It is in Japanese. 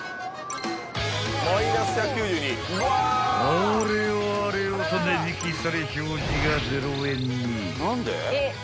［あれよあれよと値引きされ表示が０円に］